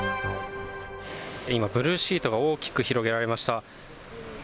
今、ブルーシートが大きく広げられました。